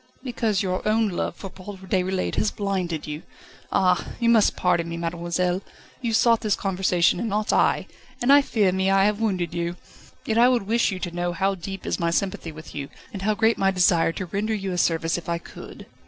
"Because your own love for Paul Déroulède has blinded you Ah! you must pardon me, mademoiselle; you sought this conversation and not I, and I fear me I have wounded you. Yet I would wish you to know how deep is my sympathy with you, and how great my desire to render you a service if I could."